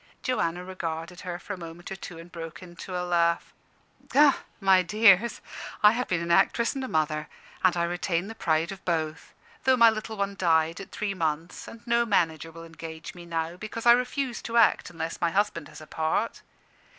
Joanna regarded her for a moment or two and broke into a laugh. "My dears, I have been an actress and a mother. I retain the pride of both, though my little one died at three months, and no manager will engage me now, because I refuse to act unless my husband has a part.